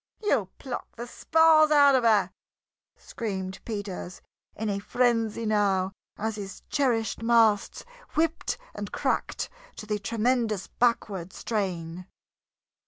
"You'll pluck the spars out of her!" screamed Peters, in a frenzy now as his cherished masts whipped and cracked to the tremendous backward strain.